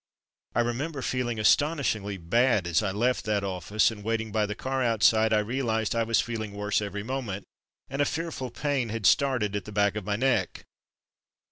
I remember feeling astonishingly bad as I left that office, and waiting by the car outside, I realized I was feeling worse every moment, and a fearful pain had started at the back of my neck.